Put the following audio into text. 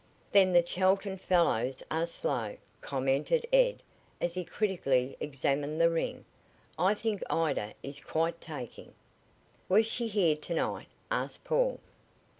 "Then the Chelton fellows are slow," commented Ed as he critically examined the ring. "I think Ida is quite taking." "Was she here to night?" asked Paul.